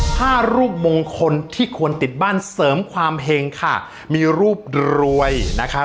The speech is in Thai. ผ้ารูปมงคลที่ควรติดบ้านเสริมความเห็งค่ะมีรูปรวยนะคะ